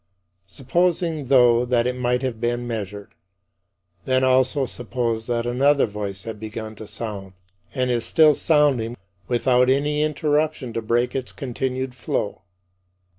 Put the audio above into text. Supposing, though, that it might have been measured then also suppose that another voice had begun to sound and is still sounding without any interruption to break its continued flow.